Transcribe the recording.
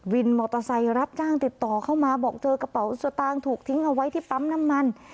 วินมอเตอร์ไซค์รับจ้างติดต่อเข้ามาบอกเจอกระเป๋าสตางค์ถูกทิ้งเอาไว้ที่ปั๊มน้ำมัน